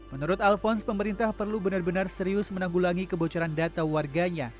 menurut alfons pemerintah perlu benar benar serius menanggulangi kebocoran data warganya